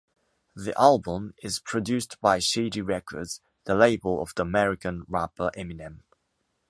The album is produced by Shady Records, the label of the American rapper Eminem.